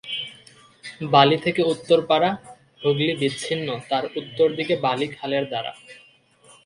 বালী থেকে উত্তরপাড়া, হুগলি বিচ্ছিন্ন তার উত্তর দিকে বালি খালের দ্বারা।